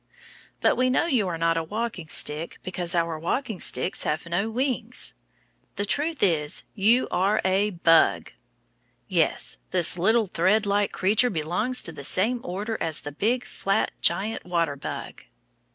But we know you are not a walking stick because our walking sticks have no wings. The truth is you are a bug! Yes, this little threadlike creature belongs to the same order as the big flat giant water bug.